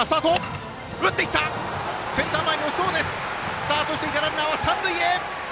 スタートしていたランナー三塁へ。